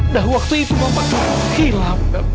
dah waktu itu bapak hilang